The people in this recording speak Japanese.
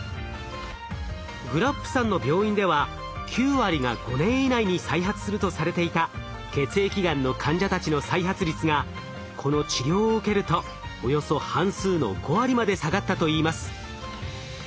グラップさんの病院では９割が５年以内に再発するとされていた血液がんの患者たちの再発率がこの治療を受けるとおよそ半数の５割まで下がったといいます。